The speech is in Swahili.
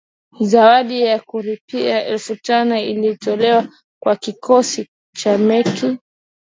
Zawadi ya rupia elfu tano ilitolewa kwa kikosi cha Merkl